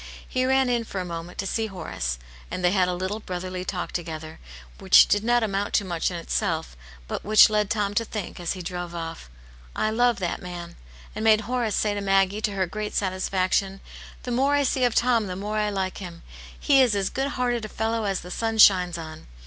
He ran in for a moment to see Horace, and they had a little ^brotl^rly talk together, which did not amount to much in itself, but which led Tom to think, as he drove off, " I do love that man !" And made Horace say to Maggie, to her great satisfaction :" The more I see of Tom, the more I like him. He is as good hearted a fellow as the sun shines on."